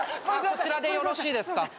こちらでよろしいですか？